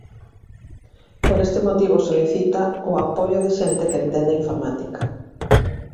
Por este motivo solicita "o apoio de xente que entenda informática".